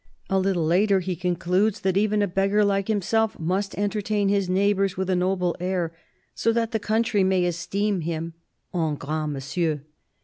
A little later, he concludes that even a beggar like himself must entertain his neighbours with a noble air, so that the country may esteem him " un grand monsieur."